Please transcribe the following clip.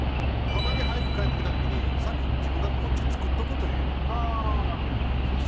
たまに早く帰ってきた時に先自分がこっち作っとくというような。